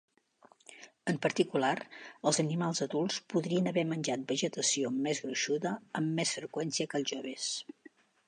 En particular, els animals adults podrien haver menjat vegetació més gruixuda amb més freqüència que els joves.